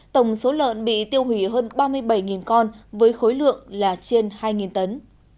tổng số lợn bị tiêu hủy hơn ba mươi bảy con với khối lượng là trên hai tấn